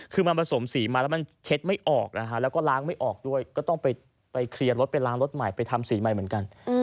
คือมันผสมสีมาแล้วมันเช็ดไม่ออกนะฮะแล้วก็ล้างไม่ออกด้วยก็ต้องไปเคลียร์รถไปล้างรถใหม่ไปทำสีใหม่เหมือนกัน